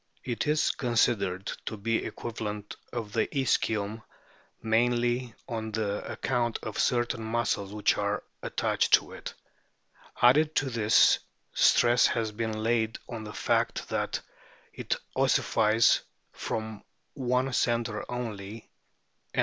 It is considered to be the equivalent of the ischium, mainly on account of certain muscles which are attached to it. Added to this, stress has been laid on the fact that it ossifies from one centre only and f a o w I rt w 4; UJ u u u <u O P.